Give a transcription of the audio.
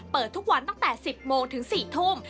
เปิดทุกวันตั้งแต่๑๐โมงถึง๔ทุ่ม